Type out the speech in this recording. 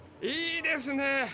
いいですね！